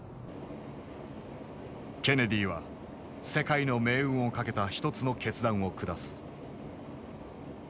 ケネディは世界の命運をかけた一つの決断を下す。